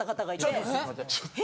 ちょっとすいません。